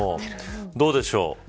どうでしょう。